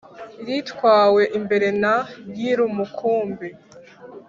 ritwawe imbere na nyir'umukumbi